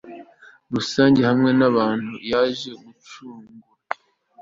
rusange hamwe n'abantu yaje gucungura